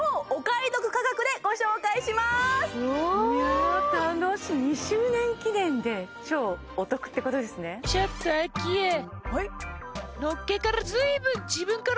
いやあ楽しみ２周年記念で超お得ってことですねは